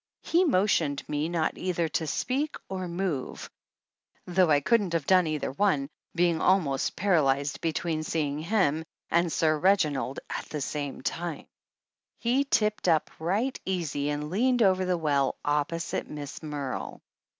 He motioned to me not either to speak or move, though I couldn't have done either one, being almost paralyzed between seeing him and Sir Reginald 176 THE ANNALS OF ANN at the same time. He tipped up right easy and leaned over the well, opposite to Miss Merle.